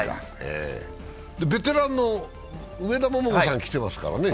ベテランの上田桃子さんきてますからね。